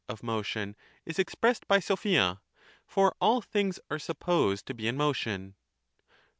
of motion is expressed by ao(pia, for all things are supposed to be in motion.